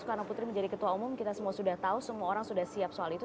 karena putri menjadi ketua umum kita semua sudah tahu semua orang sudah siap soal itu